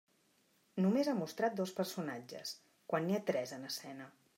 Només ha mostrat dos personatges, quan n'hi ha tres en escena.